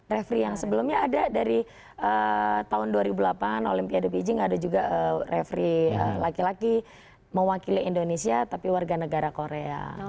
referee yang sebelumnya ada dari tahun dua ribu delapan olimpiade beijing ada juga referee laki laki mewakili indonesia tapi warga negara korea